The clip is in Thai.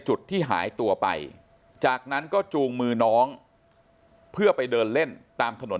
จุดที่หายตัวไปจากนั้นก็จูงมือน้องเพื่อไปเดินเล่นตามถนน